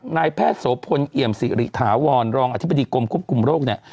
นายแพทย์โสพลเอี่ยมสิริถาวรรองอธิบดีกรมควบคุมโรคเนี่ย